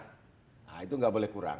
nah itu nggak boleh kurang